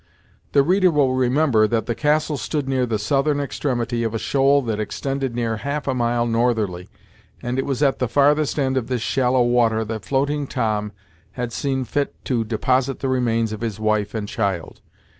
The reader will remember that the castle stood near the southern extremity of a shoal that extended near half a mile northerly, and it was at the farthest end of this shallow water that Floating Tom had seen fit to deposit the remains of his wife and child.